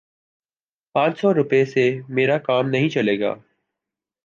پانچ سو روپے سے میرا کام نہیں چلے گا